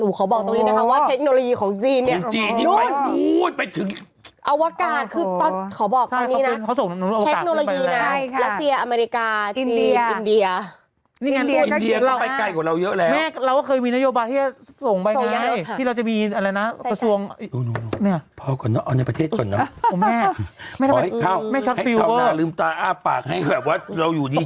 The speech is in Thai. อู๋เขาบอกตรงนี้นะคะว่าเทคโนโลยีของจีนเนี่ย